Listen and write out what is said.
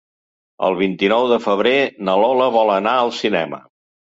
El vint-i-nou de febrer na Lola vol anar al cinema.